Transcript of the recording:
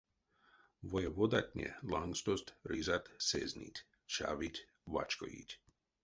Воеводатне лангстост ризат сезнить, чавить-вачкоить.